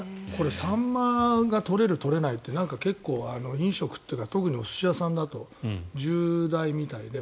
サンマが取れる、取れないってなんか結構、飲食っていうか特にお寿司屋さんだと重大みたいで。